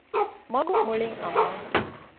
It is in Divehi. މަގު މުޅިން އަމާނެ